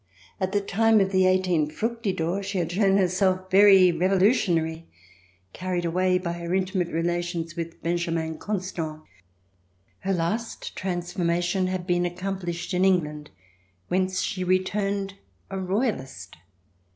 At the time of the i8 Fructidor, she had shown herself very Revolutionary, carried away by her intimate relations with Benjamin Constant. Her last transformation had been accomplished in Eng land whence she returned a Royalist.